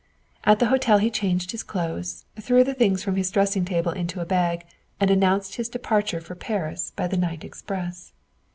At the hotel he changed his clothes, threw the things from his dressing table into a bag, and announced his departure for Paris by the night express.